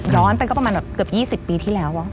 ย้อนไปก็ประมาณเกือบ๒๐ปีที่แล้ว